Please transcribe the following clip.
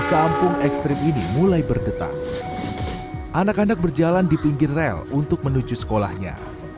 kampung ekstrim ini mulai berdetak anak anak berjalan di pinggir rel untuk menuju sekolahnya